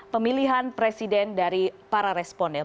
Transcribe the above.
pemilihan presiden dari para responden